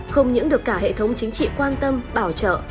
không những được cả hệ thống chính trị quan tâm bảo trợ